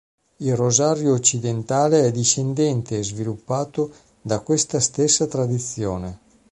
Il rosario occidentale è discendente e sviluppato da questa stessa tradizione.